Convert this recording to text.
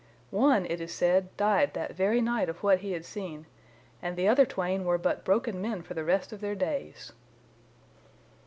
One, it is said, died that very night of what he had seen, and the other twain were but broken men for the rest of their days.